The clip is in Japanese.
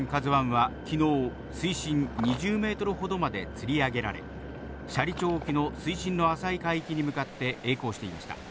ＫＡＺＵＩは、きのう、水深２０メートルほどまでつり上げられ、斜里町沖の水深の浅い海域に向かってえい航していました。